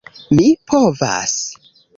Mi povas?